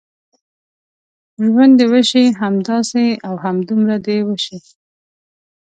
ژوند دې وشي، همداسې او همدومره دې وشي.